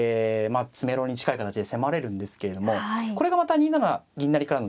まあ詰めろに近い形で迫れるんですけれどもこれがまた２七銀成からの詰めろですね。